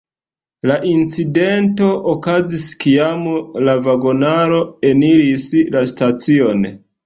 La incidento okazis kiam la vagonaro eniris la stacion.